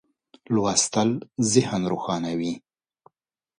لوستل ذهن روښانوي.